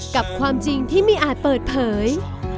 กับความจริงที่ไม่อาจเปิดเผย